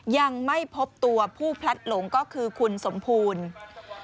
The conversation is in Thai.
ยังไม่พบตัวผู้พลัดหลงก็คือคุณสมบูรณ์